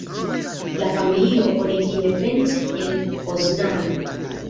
La familio origine venis el Poznano.